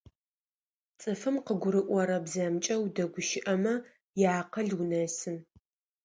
Цӏыфым къыгурыӏорэ бзэмкӏэ удэгущыӏэмэ иакъыл унэсы.